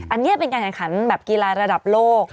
อันเนี่ยเป็นการขันกีฬาราดับโลก